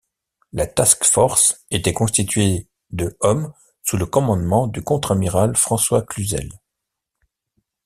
La task force était constituée de hommes sous le commandement du contre-amiral François Cluzel.